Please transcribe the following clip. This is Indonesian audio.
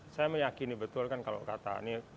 saya meyakini betul kan kalau kata anies